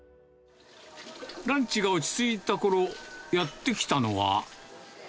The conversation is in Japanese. ランチが落ち着いたころ、やって来たのは。